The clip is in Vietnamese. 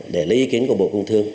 để lấy ý kiến của bộ công thương